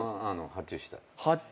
発注した。